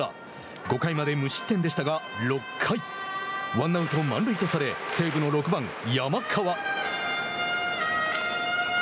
５回まで無失点でしたが６回ワンアウト、満塁とされ西武の６番山川。